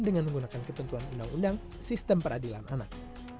dengan menggunakan ketentuan undang undang sistem peradilan anak